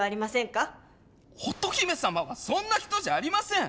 乙姫様はそんな人じゃありません。